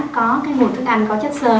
có cái mùi thức ăn có chất xơ